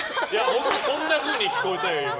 本当そんなふうに聞こえたよ。